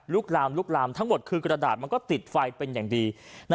ลุกลามทั้งหมดคือกระดาษมันก็ติดไฟเป็นอย่างดี